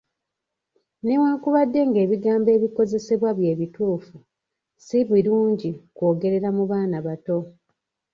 Newankubadde ng’ebigambo ebikozesebwa bye bituufu si birungi kwogerera mu baana bato.